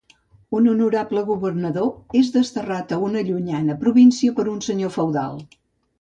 Un honorable governador és desterrat a una llunyana província per un senyor feudal.